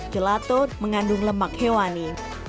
gelato mengandung lemak hewani